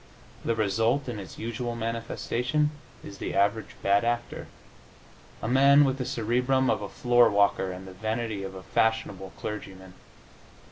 The result, in its usual manifestation, is the average bad actor a man with the cerebrum of a floor walker and the vanity of a fashionable clergyman.